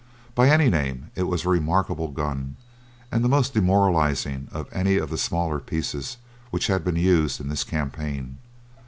By any name it was a remarkable gun and the most demoralizing of any of the smaller pieces which have been used in this campaign.